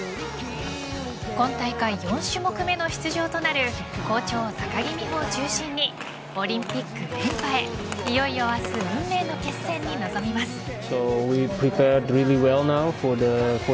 今大会４種目目の出場となる好調、高木美帆を中心にオリンピック連覇へいよいよ明日運命の決戦に臨みます。